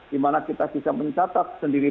dimana kita bisa mencatat sendiri